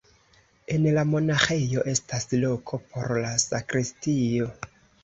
En la monaĥejo estas loko por la sakristio.